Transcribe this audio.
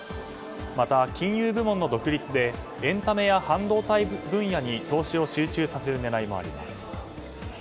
また金融部門の独立でエンタメや半導体分野に投資を集中させる狙いもあります。